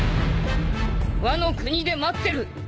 ワノ国で待ってる。